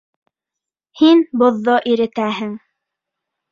Һин боҙҙо иретәһең.